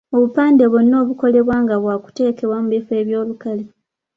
Obupande bwonna obukolebwa nga bwa kuteekebwa mu bifo eby’olukale.